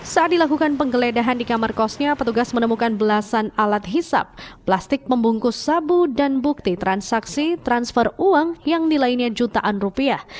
saat dilakukan penggeledahan di kamar kosnya petugas menemukan belasan alat hisap plastik membungkus sabu dan bukti transaksi transfer uang yang nilainya jutaan rupiah